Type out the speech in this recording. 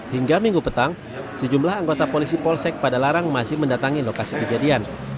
hingga minggu petang sejumlah anggota polisi polsek pada larang masih mendatangi lokasi kejadian